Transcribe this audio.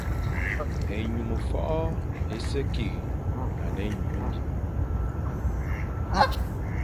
Ényum fôʼô é se kig a ne ényum mbim.